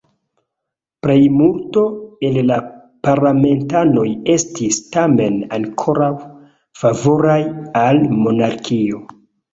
Plejmulto el la parlamentanoj estis tamen ankoraŭ favoraj al monarkio.